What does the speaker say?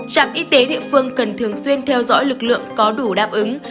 trạm y tế địa phương cần thường xuyên theo dõi lực lượng có đủ đáp ứng